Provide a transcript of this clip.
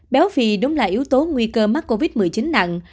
béo phì đúng là yếu tố nguy cơ mắc covid một mươi chín nặng